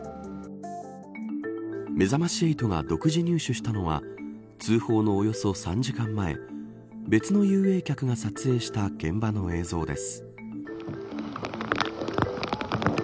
めざまし８が独自に入手したのは通報のおよそ３時間前別の遊泳客が撮影した現場の映像です。